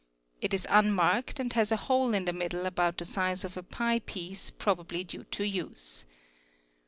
It is unmarked and has a hole in the middle about the | size of a pie piece probably due to use.